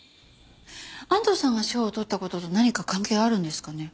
安藤さんが賞を取った事と何か関係あるんですかね？